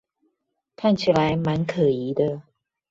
看起來滿可疑的